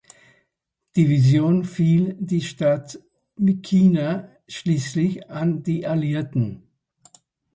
Division fiel die Stadt Myitkyina schließlich an die Alliierten.